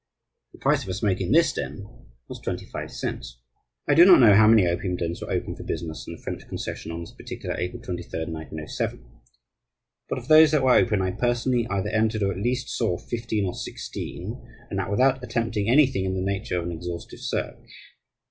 The price of a smoke in this den was twenty five cents. I do not know how many opium dens were open for business in the French concession on this particular April 23d, 1907, but of those that were open I personally either entered or at least saw fifteen or sixteen, and that without attempting anything in the nature of an exhaustive search.